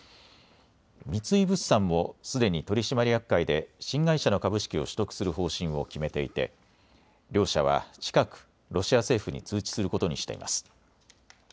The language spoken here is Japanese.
三井物産もすでに取締役会で新会社の株式を取得する方針を決めていて両社は近くロシア政府に通知することにしています。